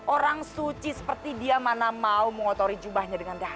orang suci seperti dia mana mau mengotori jubahnya dengan dah